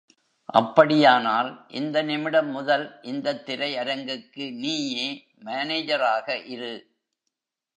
அப்படியானால், இந்த நிமிடம் முதல், இந்தத் திரை அரங்குக்கு நீயே மானேஜராக இரு.